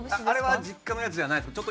あれは実家のやつじゃないです。